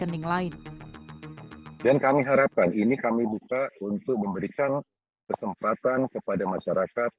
dan kami harapkan ini kami bisa untuk memberikan kesempatan kepada masyarakat